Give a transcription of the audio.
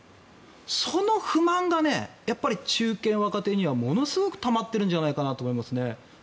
その不満が中堅・若手にはものすごくたまっているんじゃないかと思いますね。